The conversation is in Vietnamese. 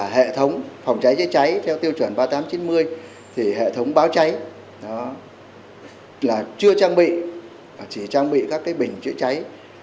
hệ thống phòng cháy chữa cháy theo tiêu chuẩn ba nghìn tám trăm chín mươi thì hệ thống báo cháy chưa trang bị chỉ trang bị các bình chữa cháy